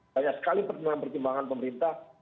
banyak sekali pertimbangan pertimbangan pemerintah